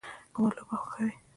کومه لوبه خوښوئ؟